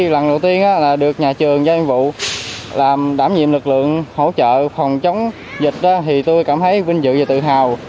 lần đầu tiên là được nhà trường do nhiệm vụ làm đảm nhiệm lực lượng hỗ trợ phòng chống dịch thì tôi cảm thấy vinh dự và tự hào